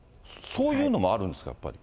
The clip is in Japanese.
そういうのもあるんですか、やっぱり。